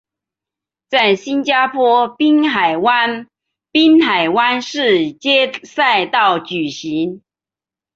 在新加坡滨海湾滨海湾市街赛道举行。